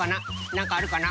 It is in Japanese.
なんかあるかな？